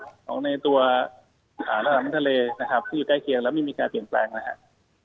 ของในตัวระดับน้ำทะเลนะครับที่อยู่ใกล้เคียงแล้วไม่มีการเปลี่ยนแปลงนะครับ